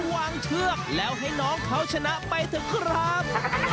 เชือกแล้วให้น้องเขาชนะไปเถอะครับ